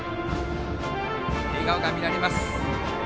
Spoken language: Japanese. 笑顔が見られます。